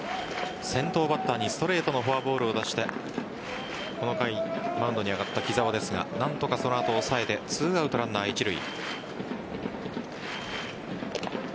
先頭バッターにストレートのフォアボールを出してこの回マウンドに上がった木澤ですが何とかその後、抑えて２アウトランナー一塁。